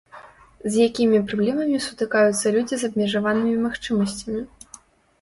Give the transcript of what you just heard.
З якімі праблемамі сутыкаюцца людзі з абмежаванымі магчымасцямі?